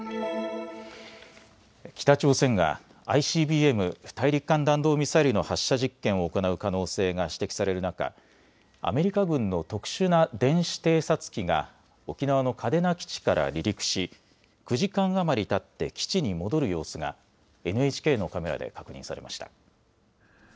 北朝鮮がＩＣＢＭ・大陸間弾道ミサイルの発射実験を行う可能性が指摘される中、アメリカ軍の特殊な電子偵察機が沖縄の嘉手納基地から離陸し９時間余りたって基地に戻る様子がＮＨＫのカメラで確認されました。